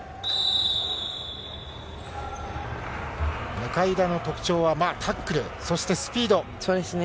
向田の特徴はタックルそしてスピード。